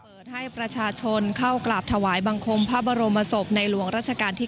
เปิดให้ประชาชนเข้ากราบถวายบังคมพระบรมศพในหลวงราชการที่๙